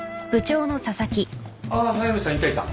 ・あっ速見さんいたいた。